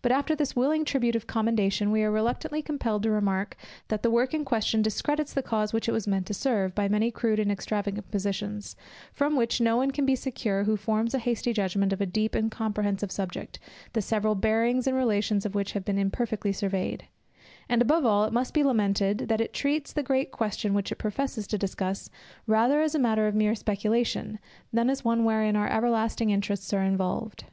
But after this willing tribute of commendation, we are reluctantly compelled to remark, that the work in question discredits the cause which it was meant to serve, by many crude and extravagant positions; from which no one can be secure who forms a hasty judgment of a deep and comprehensive subject, the several bearings and relations of which have been imperfectly surveyed; and above all, it must be lamented, that it treats the great question which it professes to discuss, rather as a matter of mere speculation, than as one wherein our everlasting interests are involved.